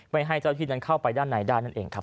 ไม่ให้เจ้าที่นั้นเข้าไปด้านในได้นั่นเองครับ